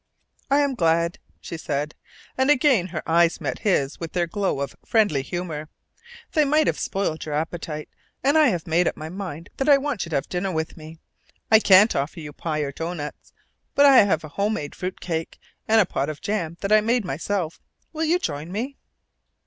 "I am glad," she said, and again her eyes met his with their glow of friendly humour. "They might have spoiled your appetite, and I have made up my mind that I want you to have dinner with me. I can't offer you pie or doughnuts. But I have a home made fruit cake, and a pot of jam that I made myself. Will you join me?"